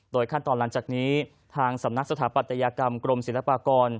ขั้นตอนหลังจากนี้ทางสำนักสถาปัตยกรรมกรมศิลปากร